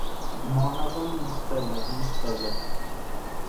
Մանավանդ նստելը, նստելը…